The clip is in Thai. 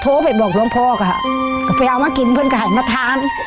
ไปบอกหลวงพ่อค่ะก็ไปเอามากินเพื่อนก็หันมาทาน